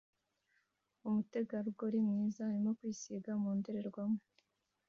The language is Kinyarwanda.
Umutegarugori mwiza arimo kwisiga mu ndorerwamo